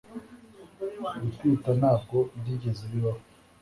gutwita ntabwo byigeze bibaho